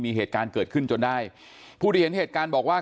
มีเหตุการณ์เกิดขึ้นจนได้ผู้ที่เห็นเหตุการณ์บอกว่า